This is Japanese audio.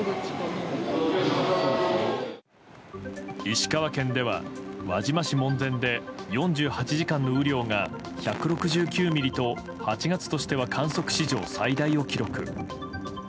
石川県では輪島市門前で４８時間の雨量が１６９ミリと８月としては観測史上最大を記録。